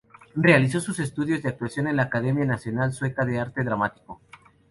Realizó sus estudios de actuación en la Academia Nacional Sueca de Arte Dramático.